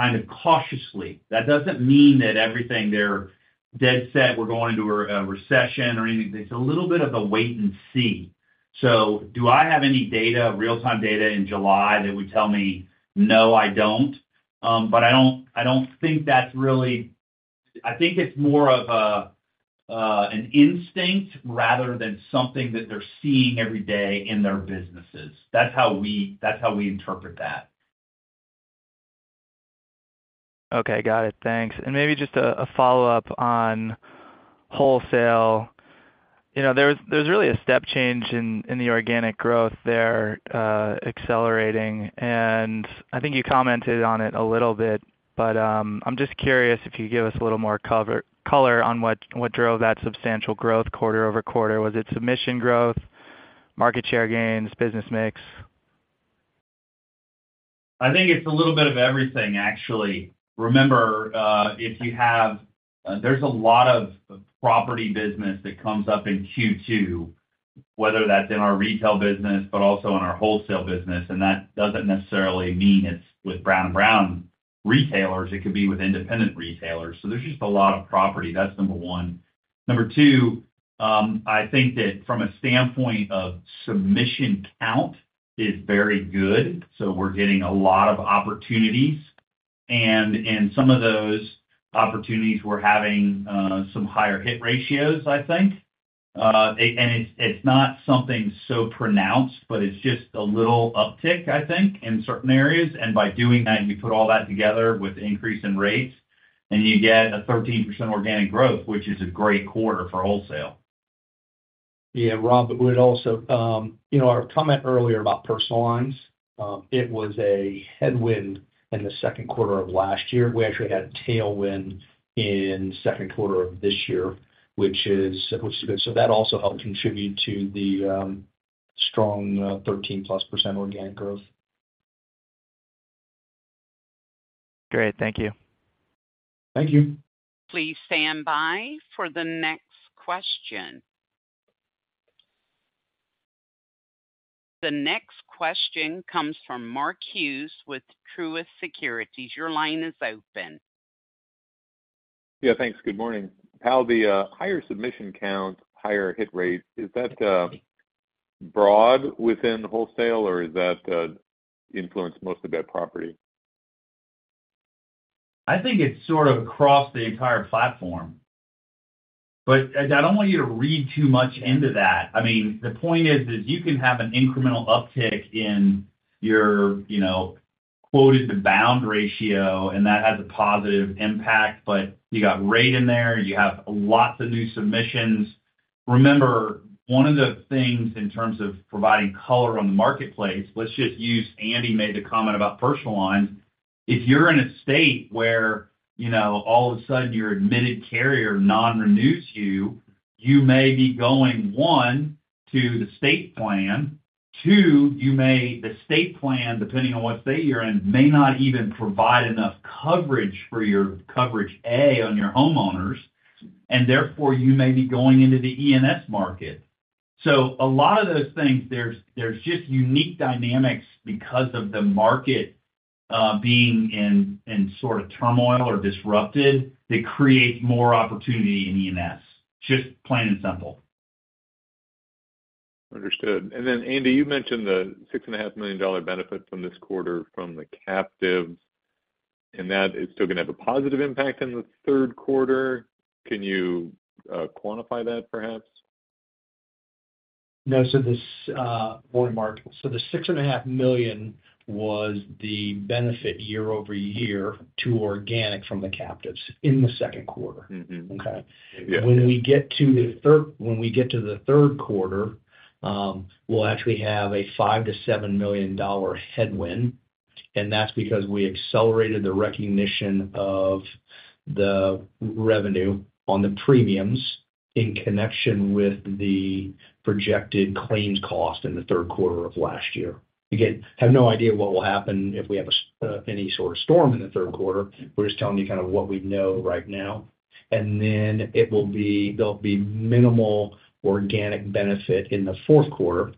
it kind of cautiously. That doesn't mean that everything they're dead set, we're going into a recession or anything. It's a little bit of a wait and see. Do I have any data, real-time data, in July that would tell me? No, I don't. I think it's more of a, an instinct rather than something that they're seeing every day in their businesses. That's how we, that's how we interpret that. Okay, got it. Thanks. Maybe just a follow-up on wholesale. You know, there's really a step change in the organic growth there, accelerating, I think you commented on it a little bit. I'm just curious if you could give us a little more call on what drove that substantial growth quarter-over-quarter. Was it submission growth, market share gains, business mix? I think it's a little bit of everything, actually. Remember, there's a lot of property business that comes up in Q2, whether that's in our retail business but also in our wholesale business, and that doesn't necessarily mean it's with Brown & Brown retailers, it could be with independent retailers. There's just a lot of property. That's number 1. Number 2, I think that from a standpoint of submission count is very good, so we're getting a lot of opportunities. In some of those opportunities, we're having some higher hit ratios, I think. It's not something so pronounced, but it's just a little uptick, I think, in certain areas. By doing that, you put all that together with increase in rates, and you get a 13% organic growth, which is a great quarter for wholesale. Rob, we'd also, you know, our comment earlier about personal lines, it was a headwind in the Q2 of last year. We actually had a tailwind in Q2 of this year, which is, which is good. That also helped contribute to the strong 13%+ organic growth. Great. Thank you. Thank you. Please stand by for the next question. The next question comes from Mark Hughes with Truist Securities. Your line is open. Yeah, thanks. Good morning. Pal, the higher submission count, higher hit rate, is that broad within wholesale, or is that influenced mostly by property? I think it's sort of across the entire platform, but I don't want you to read too much into that. I mean, the point is that you can have an incremental uptick in your, you know, quoted to bound ratio, and that has a positive impact, but you got rate in there, you have lots of new submissions. Remember, one of the things in terms of providing call on the marketplace, let's just use, Andy made the comment about personal lines. If you're in a state where, you know, all of a sudden your admitted carrier non-renews you may be going, 1, to the state plan. 2, The state plan, depending on what state you're in, may not even provide enough coverage for your coverage, A, on your homeowners, and therefore, you may be going into the E&S market. A lot of those things, there's just unique dynamics because of the market, being in sort of turmoil or disrupted, that create more opportunity in E&S, just plain and simple. Understood. Andy, you mentioned the six and a half million dollar benefit from this quarter from the captives, and that is still going to have a positive impact on the Q3. Can you quantify that, perhaps? This morning, Mark. The $6.5 million was the benefit year-over-year to organic from the captives in the Q2. Mm-hmm. Okay? Yeah. When we get to the Q3, we'll actually have a $5 million-$7 million headwind. That's because we accelerated the recognition of the revenue on the premiums in connection with the projected claims cost in the Q3 of last year. Have no idea what will happen if we have any sort of storm in the Q3. We're just telling you kind of what we know right now. Then There'll be minimal organic benefit in the Q4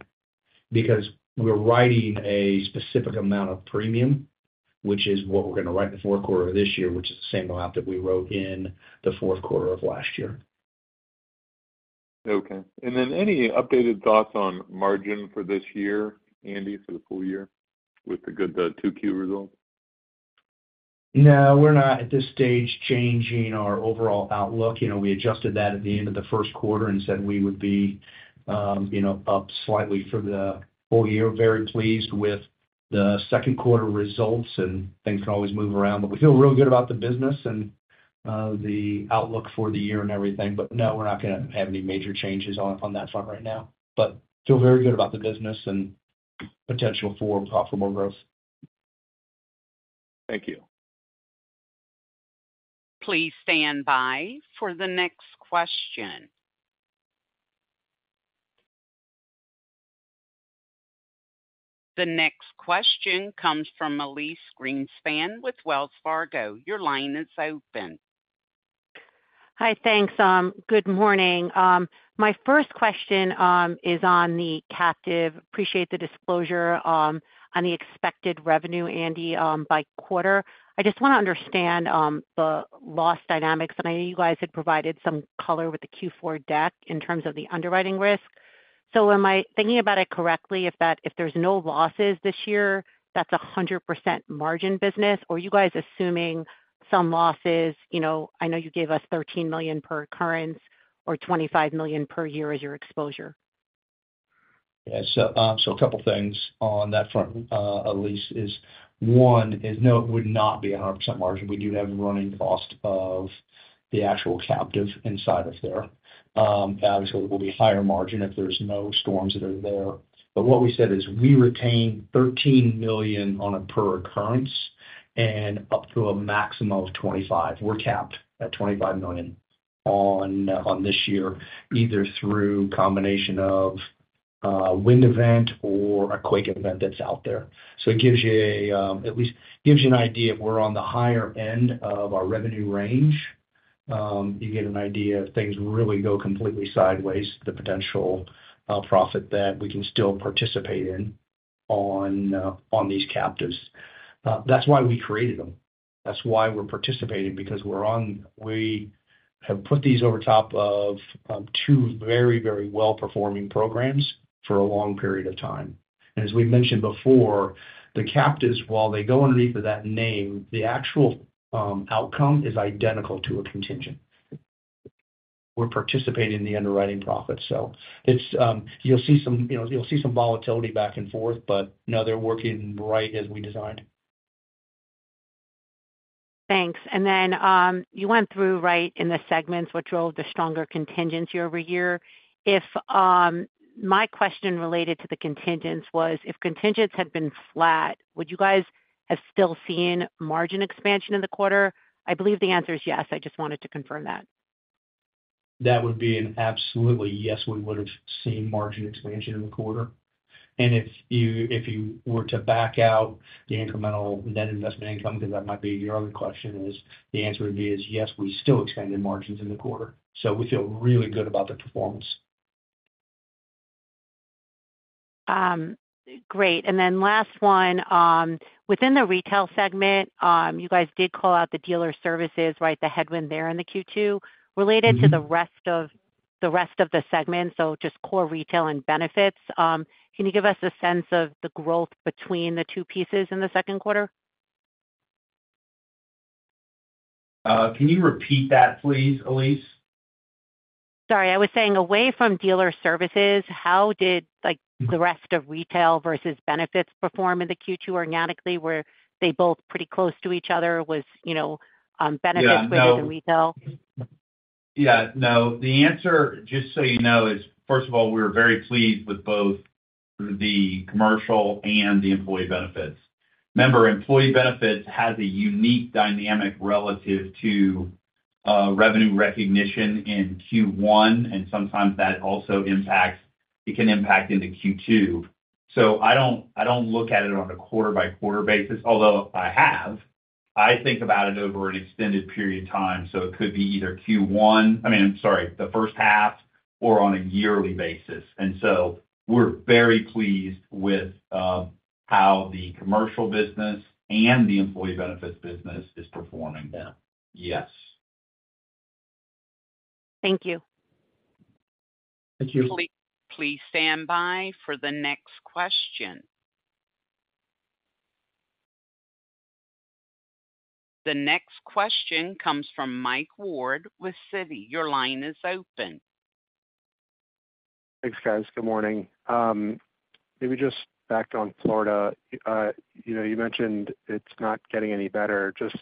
because we're writing a specific amount of premium, which is what we're going to write in the Q4 of this year, which is the same amount that we wrote in the Q4 of last year. Okay. Then any updated thoughts on margin for this year, Andy, for the full year, with the good 2-quarter results? We're not, at this stage, changing our overall outlook. You know, we adjusted that at the end of the Q1 and said we would be, you know, up slightly for the whole year. Very pleased with the Q2 results, and things can always move around, but we feel real good about the business and the outlook for the year and everything. We're not going to have any major changes on that front right now, but feel very good about the business and potential for profitable growth. Thank you. Please stand by for the next question. The next question comes from Elyse Greenspan with Wells Fargo. Your line is open. Hi, thanks. Good morning. My first question is on the captive. Appreciate the disclosure on the expected revenue, Andy, by quarter. I just want to understand the loss dynamics, and I know you guys had provided some call with the Q4 deck in terms of the underwriting risk. Am I thinking about it correctly, if there's no losses this year, that's 100% margin business, or are you guys assuming some losses? You know, I know you gave us $13 million per occurrence or $25 million per year as your exposure? Yeah. A couple of things on that front, Elyse, is one, is no, it would not be 100% margin. We do have a running cost of the actual captive inside of there. Obviously, it will be higher margin if there's no storms that are there. What we said is we retain $13 million on a per occurrence and up to a maximum of $25 million. We're capped at $25 million on this year, either through combination of a wind event or a quake event that's out there. It gives you a, at least gives you an idea if we're on the higher end of our revenue range, you get an idea of things really go completely sideways, the potential profit that we can still participate in on these captives. That's why we created them. That's why we're participating, because we have put these over top of, two very, very well-performing programs for a long period of time. As we mentioned before, the captives, while they go underneath of that name, the actual outcome is identical to a contingent. We're participating in the underwriting profit. It's, you'll see some, you know, you'll see some volatility back and forth, but no, they're working right as we designed. Thanks. You went through right in the segments, what drove the stronger contingency year-over-year. My question related to the contingents was, if contingents had been flat, would you guys have still seen margin expansion in the quarter? I believe the answer is yes. I just wanted to confirm that. That would be an absolutely yes, we would have seen margin expansion in the quarter. If you were to back out the incremental net investment income, because that might be your other question, the answer would be, yes, we still expanded margins in the quarter. We feel really good about the performance. Great. Last one, within the retail segment, you guys did call out the dealer services, right? The headwind there in the Q2. Related to the rest of the segment, so just core retail and benefits, can you give us a sense of the growth between the two pieces in the Q2? Can you repeat that, please, Elyse? Sorry. I was saying, away from dealer services, how did, like, the rest of retail versus benefits perform in the Q2 organically? Were they both pretty close to each other? Was, you know, benefits greater than retail? Yeah, no, the answer, just so you know, is, first of all, we're very pleased with both the commercial and the employee benefits. Remember, employee benefits has a unique dynamic relative to revenue recognition in Q1, and sometimes that also it can impact into Q2. I don't look at it on a quarter-by-quarter basis, although I have. I think about it over an extended period of time, so it could be either the first half or on a yearly basis. We're very pleased with how the commercial business and the employee benefits business is performing them. Yes. Thank you. Thank you. Please stand by for the next question. The next question comes from Mike Ward with Citigroup. Your line is open. Thanks, guys. Good morning. maybe just back on Florida. you know, you mentioned it's not getting any better. Just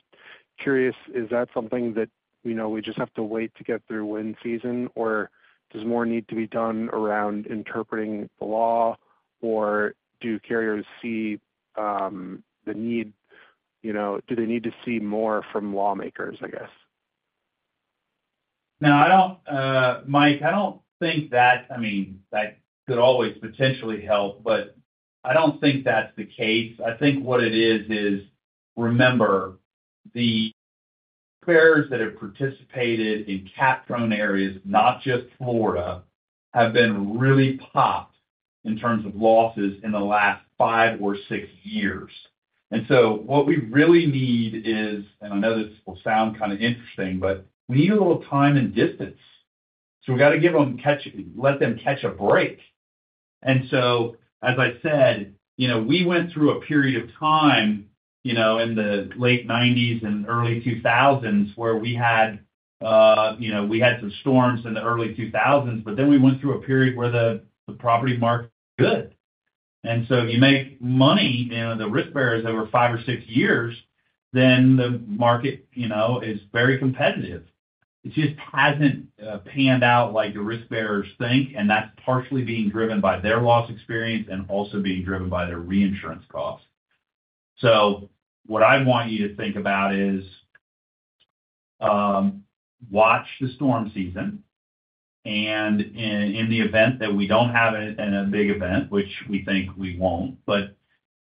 curious, is that something that, you know, we just have to wait to get through wind season, or does more need to be done around interpreting the law? Do carriers see, the need, you know, do they need to see more from lawmakers, I guess? No, I don't, Mike, I don't think that, I mean, that could always potentially help, but I don't think that's the case. I think what it is, remember, the carriers that have participated in cat-prone areas, not just Florida, have been really popped in terms of losses in the last five or six years. What we really need is, and I know this will sound kind of interesting, but we need a little time and distance, so we got to give them, let them catch a break. As I said, you know, we went through a period of time, you know, in the late 1990s and early 2000s, where we had, you know, we had some storms in the early 2000s, we went through a period where the property market was good. If you make money, you know, the risk bearers over five or six years, then the market, you know, is very competitive. It just hasn't panned out like the risk bearers think, and that's partially being driven by their loss experience and also being driven by their reinsurance costs. What I want you to think about is, watch the storm season. And in the event that we don't have a big event, which we think we won't, but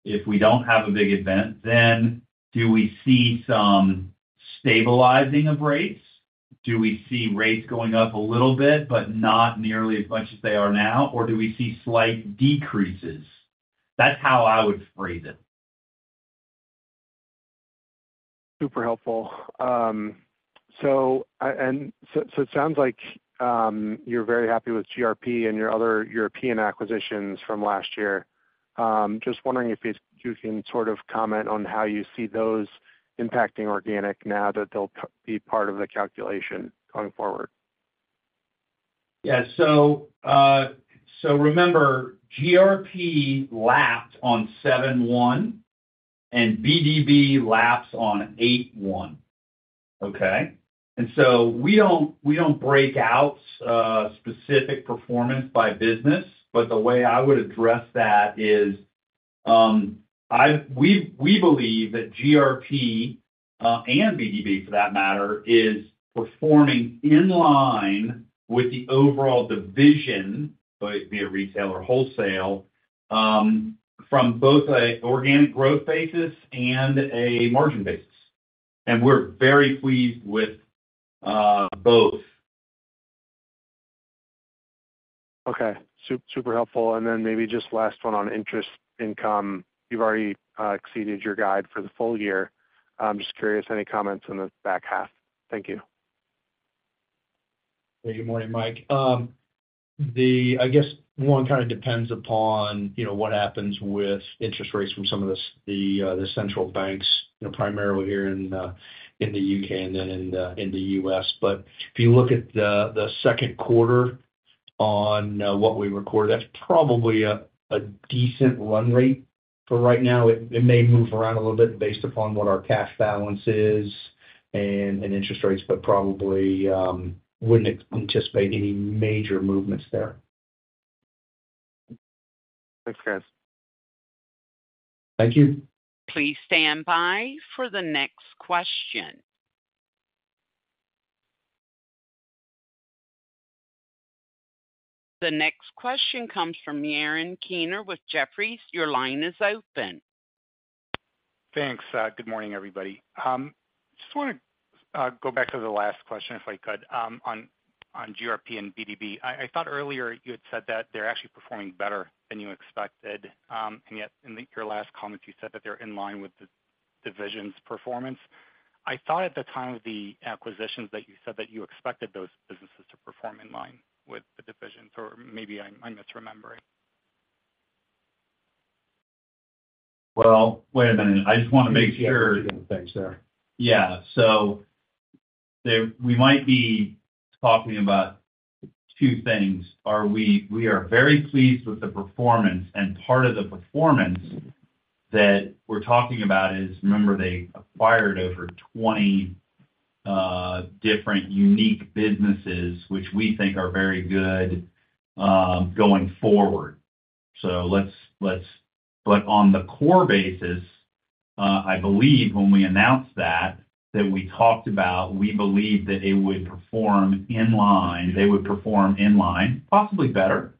if we don't have a big event, then do we see some stabilizing of rates? Do we see rates going up a little bit, but not nearly as much as they are now? Or do we see slight decreases? That's how I would phrase it. Super helpful. It sounds like you're very happy with GRP and your other European acquisitions from last year. Just wondering if you can sort of comment on how you see those impacting organic now that they'll be part of the calculation going forward? Yeah. Remember, GRP lapsed on 7/1, and BdB lapsed on 8/1, okay? So we don't break out specific performance by business, but the way I would address that is, we believe that GRP and BdB, for that matter, is performing in line with the overall division, whether it be a retail or wholesale, from both a organic growth basis and a margin basis. We're very pleased with both. Okay. Super helpful. Then maybe just last one on interest income. You've already exceeded your guide for the full year. I'm just curious, any comments on the back half? Thank you. Yeah. Good morning, Mike. I guess one kind of depends upon, you know, what happens with interest rates from some of the the central banks, you know, primarily here in the UK and then in the, in the US. If you look at the Q2 on what we recorded, that's probably a decent run rate for right now. It, it may move around a little bit based upon what our cash balance is and interest rates, but probably wouldn't anticipate any major movements there. Thanks, guys. Thank you. Please stand by for the next question. The next question comes from Yaron Kinar with Jefferies. Your line is open. Thanks. Good morning, everybody. Just wanna go back to the last question, if I could, on GRP and BdB. I thought earlier you had said that they're actually performing better than you expected, and yet in your last comments, you said that they're in line with the division's performance. I thought at the time of the acquisitions that you said that you expected those businesses to perform in line with the divisions, or maybe I'm misremembering. Wait a minute. I just wanna make sure. Yeah. We might be talking about two things. We are very pleased with the performance, and part of the performance that we're talking about is, remember, they acquired over 20 different unique businesses, which we think are very good going forward. On the core basis, I believe when we announced that, we talked about, we believed that they would perform in line, possibly better,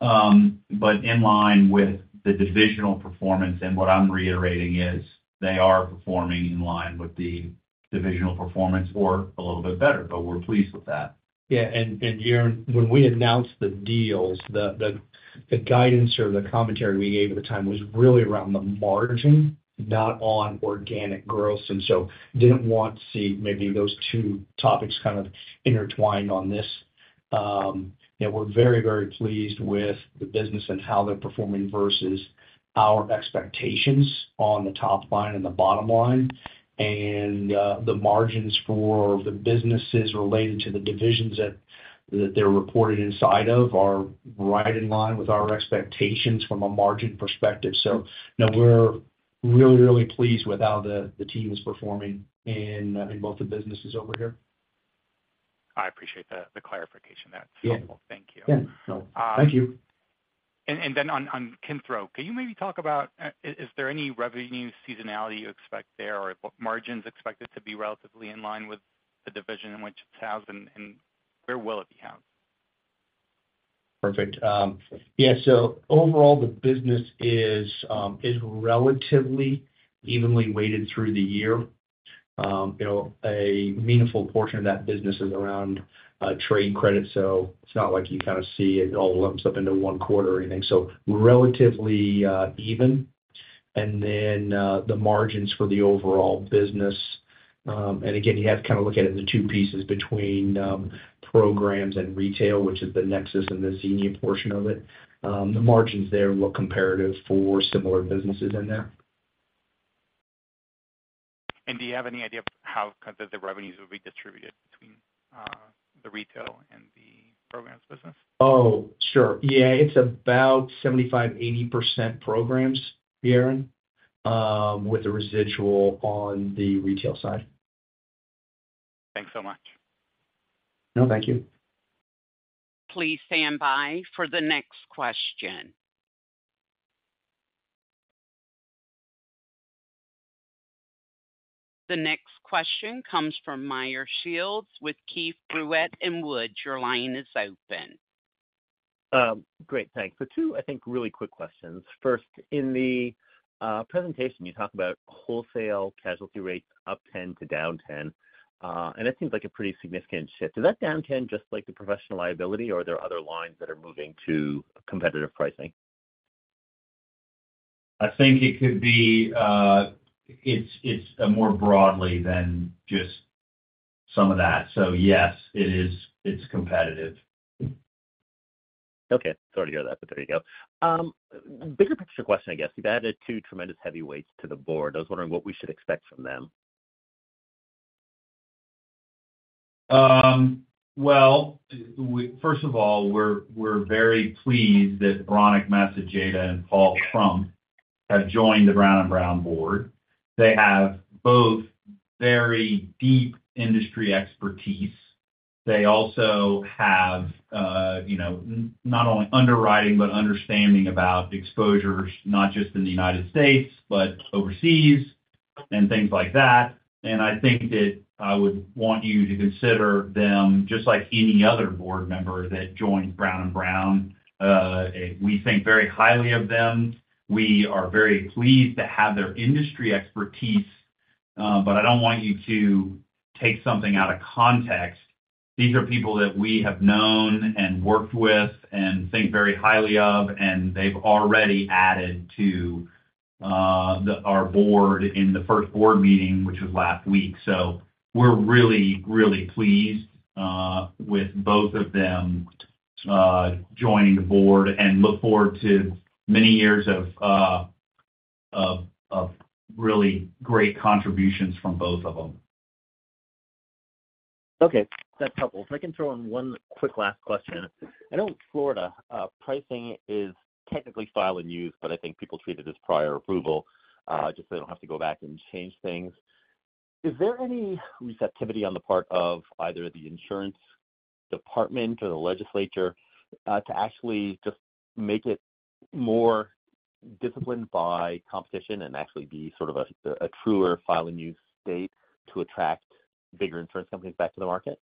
but in line with the divisional performance. What I'm reiterating is they are performing in line with the divisional performance or a little bit better, but we're pleased with that. Yaron, when we announced the deals, the guidance or the commentary we gave at the time was really around the margin, not on organic growth, didn't want to see maybe those two topics kind of intertwined on this. We're very pleased with the business and how they're performing versus our expectations on the top line and the bottom line. The margins for the businesses related to the divisions that they're reported inside of are right in line with our expectations from a margin perspective. No, we're really pleased with how the team is performing in both the businesses over here. I appreciate the clarification. That's helpful. Yeah. Thank you. Yeah. Thank you. on Kentro, can you maybe talk about, is there any revenue seasonality you expect there, or what margins expected to be relatively in line with the division in which it has, and where will it be held? Perfect. Yeah, overall, the business is relatively evenly weighted through the year. You know, a meaningful portion of that business is around trade credit, so it's not like you kind of see it all lumps up into one quarter or anything, so relatively even. The margins for the overall business, and again, you have to kind of look at it in two pieces between programs and retail, which is the Nexus and the Xenia portion of it. The margins there look comparative for similar businesses in there. Do you have any idea of how kind of the revenues will be distributed between the retail and the programs business? Oh, sure. Yeah, it's about 75-80% programs, Yaron, with a residual on the retail side. Thanks so much. No, thank you. Please stand by for the next question. The next question comes from Meyer Shields with Keefe, Bruyette & Woods. Your line is open. Great, thanks., I think, really quick questions. First, in the presentation, you talk about wholesale casualty rates up 10 to down 10. That seems like a pretty significant shift. Is that down 10 just like the professional liability, or are there other lines that are moving to competitive pricing? I think it could be, it's more broadly than just some of that. Yes, it's competitive. Okay. Sorry to hear that, but there you go. Bigger picture question, I guess. You've added two tremendous heavyweights to the board. I was wondering what we should expect from them. Well, we're very pleased that Veronica Headley-Masoja and Paul Krump have joined the Brown & Brown board. They have both very deep industry expertise. They also have, you know, not only underwriting but understanding about exposures, not just in the United States, but overseas and things like that. I think that I would want you to consider them just like any other board member that joins Brown & Brown. We think very highly of them. We are very pleased to have their industry expertise. I don't want you to take something out of context. These are people that we have known and worked with and think very highly of, and they've already added to our board in the first board meeting, which was last week. We're really pleased with both of them joining the board and look forward to many years of really great contributions from both of them. Okay, that's helpful. If I can throw in one quick last question. I know in Florida, pricing is technically file and use, but I think people treat it as prior approval, just so they don't have to go back and change things. Is there any receptivity on the part of either the insurance department or the legislature, to actually just make it more disciplined by competition and actually be sort of a truer file and use state to attract bigger insurance companies back to the market?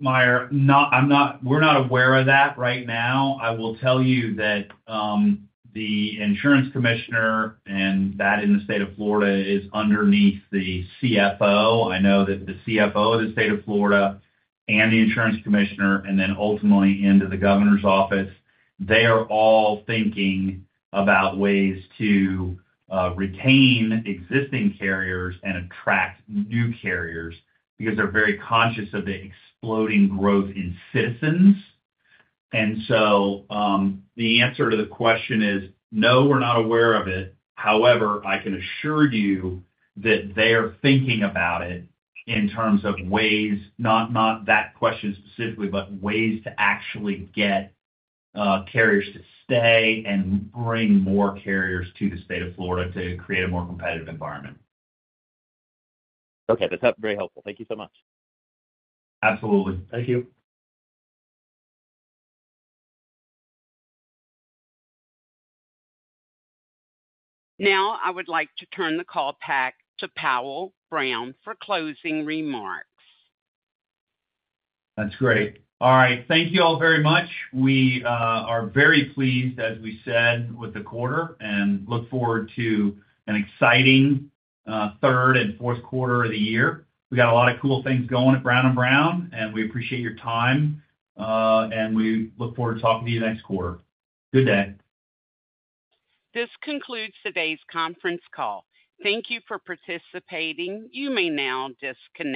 Meyer, we're not aware of that right now. I will tell you that the insurance commissioner and that in the state of Florida is underneath the CFO. I know that the CFO of the state of Florida and the insurance commissioner, and then ultimately into the governor's office, they are all thinking about ways to retain existing carriers and attract new carriers because they're very conscious of the exploding growth in citizens. The answer to the question is no, we're not aware of it. However, I can assure you that they are thinking about it in terms of ways, not that question specifically, but ways to actually get carriers to stay and bring more carriers to the state of Florida to create a more competitive environment. Okay. That's very helpful. Thank you so much. Absolutely. Thank you. Now, I would like to turn the call back to Powell Brown for closing remarks. That's great. All right. Thank you all very much. We are very pleased, as we said, with the quarter and look forward to an exciting third and Q4 of the year. We got a lot of cool things going at Brown & Brown, and we appreciate your time, and we look forward to talking to you next quarter. Good day. This concludes today's conference call. Thank You for participating. You may now disconnect.